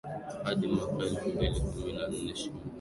hadi mwaka elfumbili kumi na nne Shimo